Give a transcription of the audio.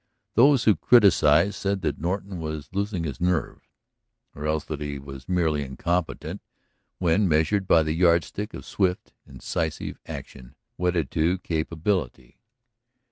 Those who criticised said that Norton was losing his nerve, or else that he was merely incompetent when measured by the yardstick of swift, incisive action wedded to capability.